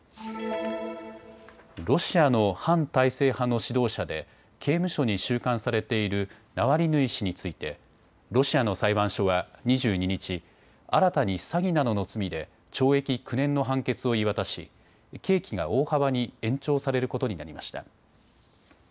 ロシアの反体制派の指導者で刑務所に収監されているナワリヌイ氏についてロシアの裁判所は２２日、新たに詐欺などの罪で懲役９年の判決を言い渡し刑期が大幅に延長されることになりました。